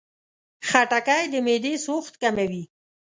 خټکی د معدې سوخت کموي.